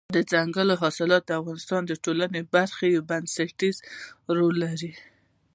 دځنګل حاصلات د افغانستان د ټولنې لپاره یو بنسټيز رول لري.